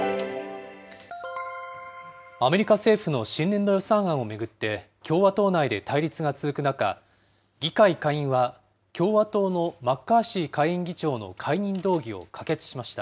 アメリカ政府の新年度予算案を巡って、共和党内で対立が続く中、議会下院は共和党のマッカーシー下院議長の解任動議を可決しまし